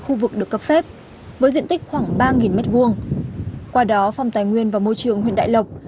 khu vực được cấp phép với diện tích khoảng ba m hai qua đó phòng tài nguyên và môi trường huyện đại lộc